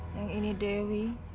yang ini dewi